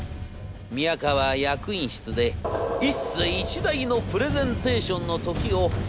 宮河役員室で一世一代のプレゼンテーションの時を迎えたのであります。